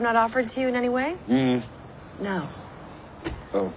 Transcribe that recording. うん。